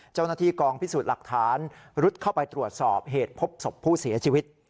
เจ้าหน้าที่กองพิสูจน์หลักฐานรุดเข้าไปตรวจสอบเหตุพบศพผู้เสียชีวิต